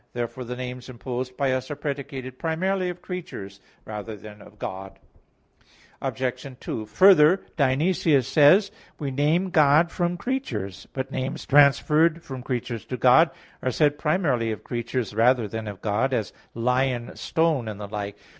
Therefore the names imposed by us are predicated primarily of creatures rather than of God. Obj. 2: Further, Dionysius says (Div. Nom. i): "We name God from creatures." But names transferred from creatures to God, are said primarily of creatures rather than of God, as "lion," "stone," and the like.